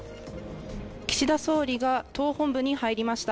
岸田総理が党本部に入りました。